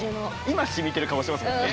今しみてる顔してますもんね！